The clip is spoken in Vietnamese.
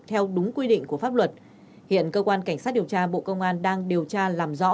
theo đúng quy định của pháp luật hiện cơ quan cảnh sát điều tra bộ công an đang điều tra làm rõ